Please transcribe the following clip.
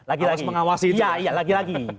awas mengawasi itu